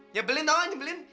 nyebelin tau gak nyebelin